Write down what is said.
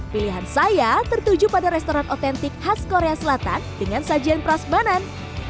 pilihan saya tertuju pada restoran otentik khas korea selatan dengan sajian prasmanan